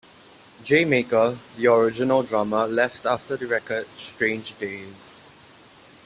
Jay Maker, the original drummer left after the record Strange Days.